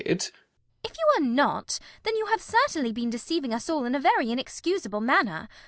If you are not, then you have certainly been deceiving us all in a very inexcusable manner.